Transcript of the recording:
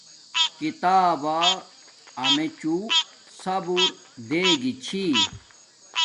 کتابا امیڎو صابور دے گی چھی